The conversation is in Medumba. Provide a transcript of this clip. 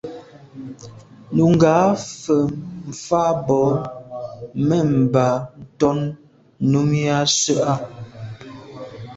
Nùgà fə̀ mfá bɔ̀ mə̀mbâ ntɔ́n Nùmí á sʉ́ á’.